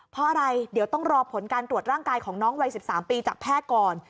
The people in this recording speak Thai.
เพราะอะไรเดี๋ยวต้องรอผลการตรวจร่างกายของน้องวัย๑๓ปีจากแพทย์ก่อน